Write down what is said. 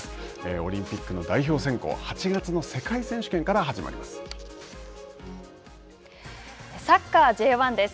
オリンピックの代表選考は８月の世界選手権からサッカーＪ１です。